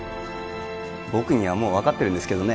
僕にはもう分かってるんですけどね